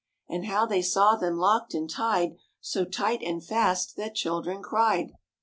And how they saw them locked and tied So tight and fast that children cried.